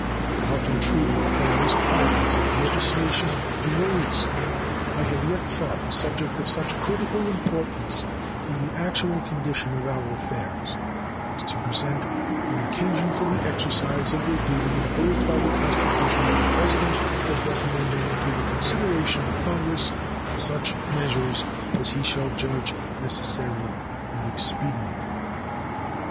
Without intruding upon this province of legislation in the least, I have yet thought the subject of such critical importance, in the actual condition of our affairs, as to present an occasion for the exercise of the duty imposed by the Constitution on the President of recommending to the consideration of Congress "such measures as he shall judge necessary and expedient."